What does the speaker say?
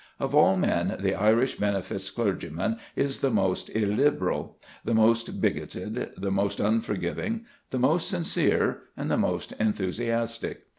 Of all men the Irish beneficed clergyman is the most illiberal, the most bigoted, the most unforgiving, the most sincere, and the most enthusiastic.